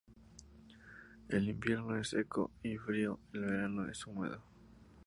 El invierno es seco y frío y el verano es húmedo.